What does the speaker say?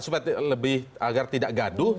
supaya lebih agar tidak gaduh